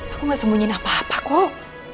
aku gak sembunyiin apa apa kok